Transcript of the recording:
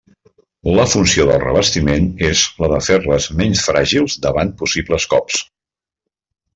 La funció del revestiment és la de fer-les menys fràgils davant possibles cops.